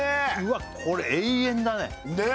わっこれ永遠だねねえ